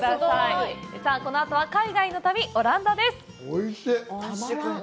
さあ、このあとは海外の旅、オランダです。